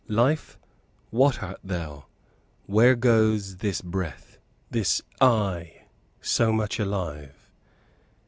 Life, what art thou? Where goes this breath? this I, so much alive?